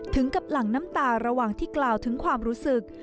ถึงกับหลั่งน้ำตาระหว่างที่กล่าวถึงความรู้สึก